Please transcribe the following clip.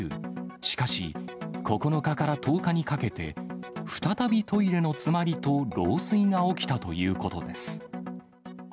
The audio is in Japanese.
しかし、９日から１０日にかけて、再びトイレの詰まりと漏水が起きたということです。